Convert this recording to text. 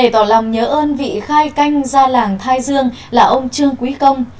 tỏ lòng nhớ ơn vị khai canh ra làng thái dương là ông trương quý công